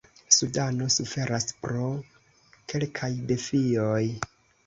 Sudano suferas pro kelkaj defioj.